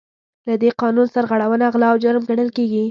له دې قانون سرغړونه غلا او جرم ګڼل کیږي.